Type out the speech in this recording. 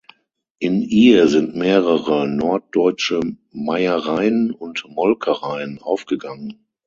In ihr sind mehrere norddeutsche Meiereien und Molkereien aufgegangen.